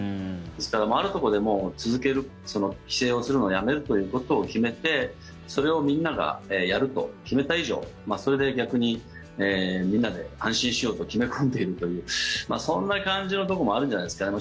ですから、あるところで続ける規制をするのをやめるということを決めてそれをみんながやると決めた以上それで逆にみんなで安心しようと決め込んでいるというそんな感じのところもあるんじゃないですかね。